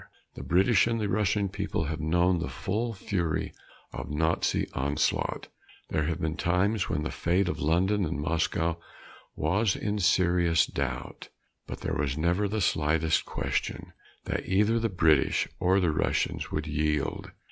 The British and the Russian people have known the full fury of Nazi onslaught. There have been times when the fate of London and Moscow was in serious doubt. But there was never the slightest question that either the British or the Russians would yield.